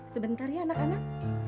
sebentar ya anak anak